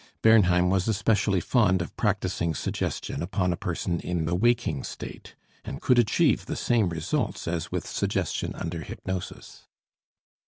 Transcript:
Bernheim was especially fond of practising suggestion upon a person in the waking state, and could achieve the same results as with suggestion under hypnosis.